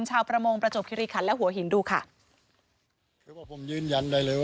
ชาวประมงประจบคิรีขันและหัวหินดูค่ะ